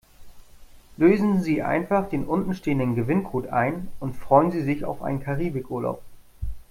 Lösen Sie einfach den unten stehenden Gewinncode ein und freuen Sie sich auf einen Karibikurlaub.